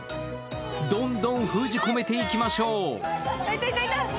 どんどん封じ込めていきましょう。